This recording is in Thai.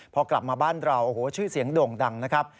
พอกลับมาบ้านเราโอ้โหชื่อเสียงโด่งดังนะครับ